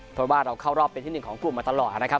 เพราะว่าเราเข้ารอบเป็นที่๑ของกลุ่มมาตลอดนะครับ